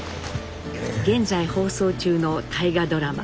現在放送中の大河ドラマ